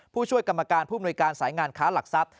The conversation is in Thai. ผู้ช่วยกรรมการผู้มนุยการสายงานค้าหลักทรัพย